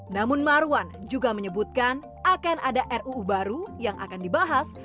namun marwan juga menyebutkan akan ada ruu baru yang akan dibahas